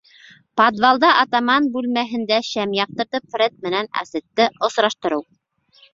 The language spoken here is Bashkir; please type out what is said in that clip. Подвалда атаман бүлмәһендә шәм яҡтыртып Фред менән Асетте осраштырыу.